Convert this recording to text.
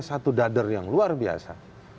satu dadar yang luar biasa